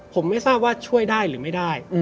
ผมไม่ทราบว่าช่วยได้หรือไม่ได้